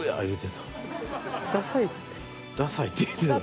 「ダサい」って言ってた。